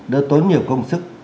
đỡ tốn nhiều công sức